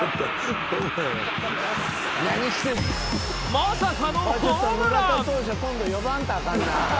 まさかのホームラン！